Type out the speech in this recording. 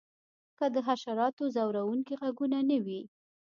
که د حشراتو ځورونکي غږونه نه وی